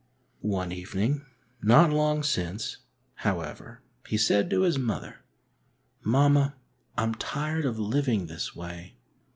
One evening, not long since, however, he said to his mother :" Mamma, Fm tired of living this way."